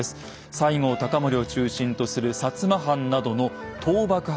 西郷隆盛を中心とする摩藩などの倒幕派です。